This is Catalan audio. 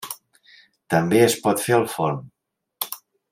També es pot fer al forn.